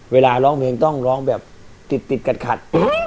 เวลาร้องเพลงต้องร้องแบบติดติดกัดขัด